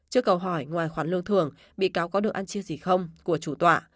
trước câu hỏi ngoài khoản lương thường bị cáo có được ăn chia gì không của chủ tọa